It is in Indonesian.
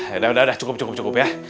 yaudah yaudah cukup cukup ya